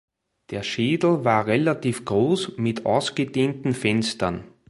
Der Schädel war relativ groß mit ausgedehnten Fenstern.